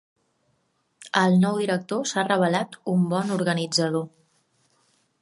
El nou director s'ha revelat un bon organitzador.